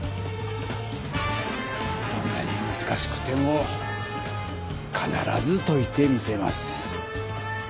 どんなにむずかしくてもかならずといてみせます！